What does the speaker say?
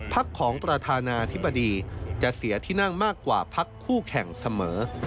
ของประธานาธิบดีจะเสียที่นั่งมากกว่าพักคู่แข่งเสมอ